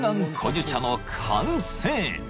樹茶の完成］